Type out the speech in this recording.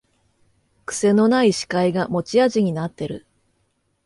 くせのない司会が持ち味になってる